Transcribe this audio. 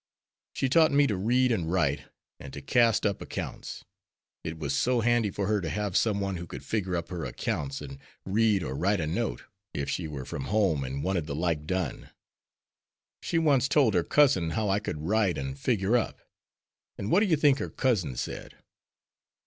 She taught me to read and write, and to cast up accounts. It was so handy for her to have some one who could figure up her accounts, and read or write a note, if she were from home and wanted the like done. She once told her cousin how I could write and figure up. And what do you think her cousin said?"